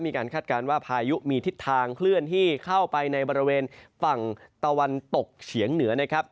คาดการณ์ว่าพายุมีทิศทางเคลื่อนที่เข้าไปในบริเวณฝั่งตะวันตกเฉียงเหนือนะครับ